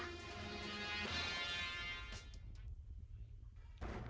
ayo cepat kerjakan